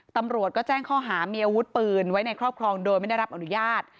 ตำรวจก็แจ้งข้อหามีอาวุธปืนไว้ในครอบครองโดยไม่ได้รับอนุญาต